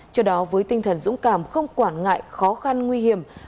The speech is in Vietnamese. cho đó với tinh thần dũng cảm không quản ngại khó khăn nguy hiểm